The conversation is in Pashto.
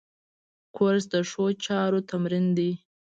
کورس د ښو چارو تمرین دی.